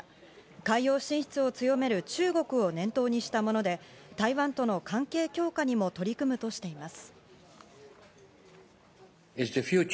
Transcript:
海洋進出を強める中国を念頭にしたもので、台湾との関係強化にも取り組むとしています。